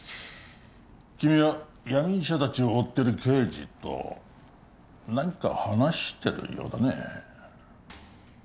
君は闇医者達を追ってる刑事と何か話してるようだね